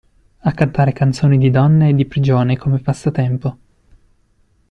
A cantare canzoni di donne e di prigione come passatempo.